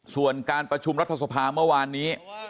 ส่วนการประชุมรัฐสภาเมื่อวานนี้